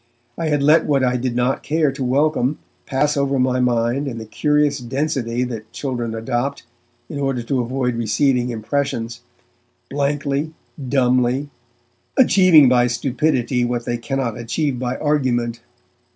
I had let what I did not care to welcome pass over my mind in the curious density that children adopt in order to avoid receiving impressions blankly, dumbly, achieving by stupidity what they cannot achieve by argument.